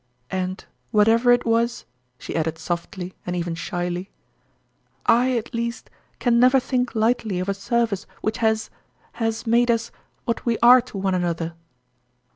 And, whatever it was," she added softly, and even shyly, " I, at least, can never think lightly of a service which has has made us what we are to one another."